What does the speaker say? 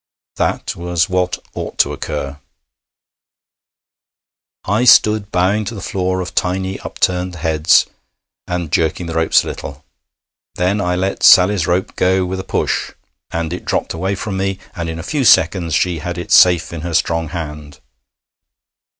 That was what ought to occur. I stood bowing to the floor of tiny upturned heads, and jerking the ropes a little. Then I let Sally's rope go with a push, and it dropped away from me, and in a few seconds she had it safe in her strong hand.